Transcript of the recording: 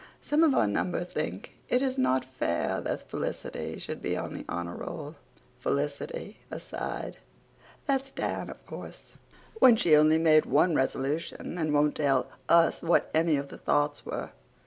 Some of our number think it not fair that Felicity should be on the honour roll (FELICITY, ASIDE: "That's Dan, of course.") when she only made one resolution and won't tell us what any of the thoughts were.